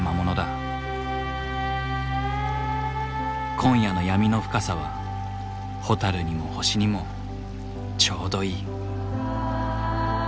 今夜の闇の深さはホタルにも星にもちょうどいい。